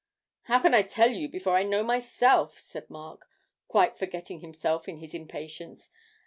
'How can I tell you before I know myself,' said Mark, quite forgetting himself in his impatience.